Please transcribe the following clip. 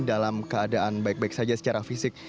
dalam keadaan baik baik saja secara fisik